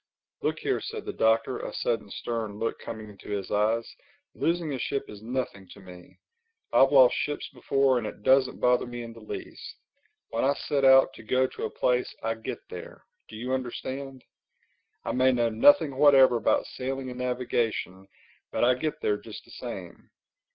"Look here," said the Doctor, a sudden stern look coming into his eyes, "losing a ship is nothing to me. I've lost ships before and it doesn't bother me in the least. When I set out to go to a place, I get there. Do you understand? I may know nothing whatever about sailing and navigation, but I get there just the same.